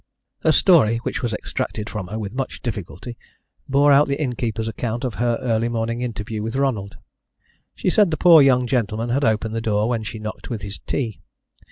Her story which was extracted from her with much difficulty bore out the innkeeper's account of her early morning interview with Ronald. She said the poor young gentleman had opened the door when she knocked with his tea.